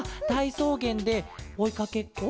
そうげんでおいかけっこ？